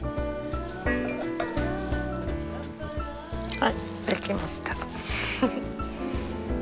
はい出来ました。